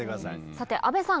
さて阿部さん